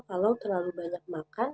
kalau terlalu banyak makan